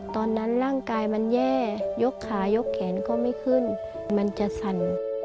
ตอนนั้นร่างกายมันแย่ยกขายกแขนก็ไม่ขึ้นมันจะสั่น